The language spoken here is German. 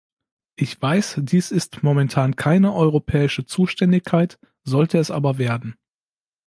Ich weiß, dies ist momentan keine europäische Zuständigkeit, sollte es aber werden.